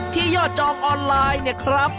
ยอดจองออนไลน์เนี่ยครับ